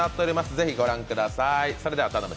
ぜひ、ご覧ください。